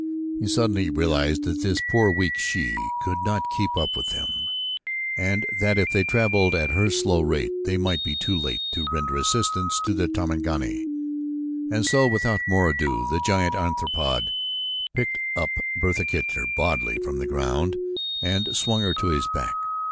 He suddenly realized that this poor weak she could not keep up with them and that if they traveled at her slow rate they might be too late to render assistance to the Tarmangani, and so without more ado, the giant anthropoid picked Bertha Kircher bodily from the ground and swung her to his back.